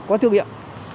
có thương hiệu